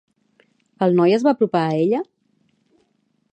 El noi es va apropar a ella?